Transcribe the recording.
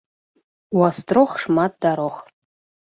У астрог шмат дарог